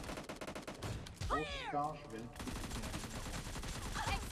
Oskar schwelgte in Erinnerungen.